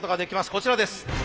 こちらです。